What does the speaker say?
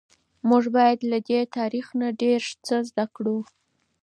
موږ باید له دې تاریخ نه ډیر څه زده کړو.